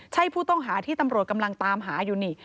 ใช่ผู้ต้องหาที่ตำรวจกำลังตามหาอยู่นี่